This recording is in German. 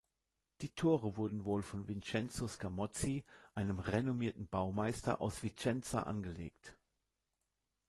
Die Tore wurden wohl von Vincenzo Scamozzi, einem renommierten Baumeister aus Vicenza, angelegt.